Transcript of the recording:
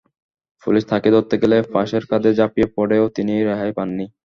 Police তাঁকে ধরতে গেলে পাশের খাদে ঝাঁপিয়ে পড়েও তিনি রেহাই পাননি।